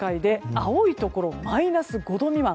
青いところはマイナス５度未満。